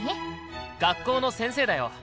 学校の先生だよ。